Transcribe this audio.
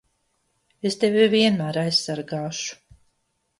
Es tevi vienmēr aizsargāšu!